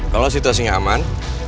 kalau situasinya aman